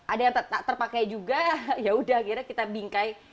ada yang tak terpakai juga yaudah akhirnya kita bingkai